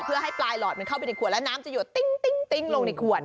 เพื่อให้ปลายหลอดมันเข้าไปในขวดแล้วน้ำจะหยดติ้งลงในขวด